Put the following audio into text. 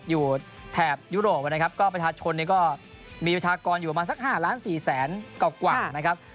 แถบยุโรปนะครับก็ประชาชนเนี่ยก็มีประชากรอยู่ประมาณสัก๕ล้านสี่แสนกว่านะครับ